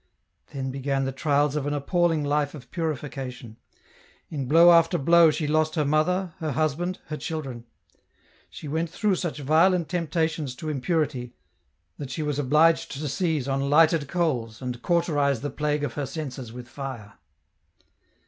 Then began the trials of an appalling life of purification. In blow after blow she lost her mother, her husband, her children ; she went through such violent temptations to impurity that she was obliged to seize on lighted coals and cauterize the plague of her senses with fire.